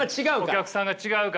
お客さんが違うから。